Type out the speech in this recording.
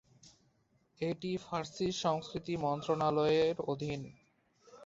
এটি ফরাসি সংস্কৃতি মন্ত্রণালয়ের অধীন।